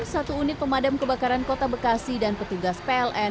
satu unit pemadam kebakaran kota bekasi dan petugas pln